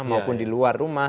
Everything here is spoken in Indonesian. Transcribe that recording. maupun di luar rumah